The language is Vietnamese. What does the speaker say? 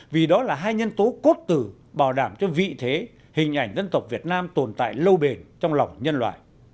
vì đó là hai nhân tố cốt tử bảo đảm cho vị thế hình ảnh dân tộc việt nam tồn tại lâu bền trong lòng nhân loại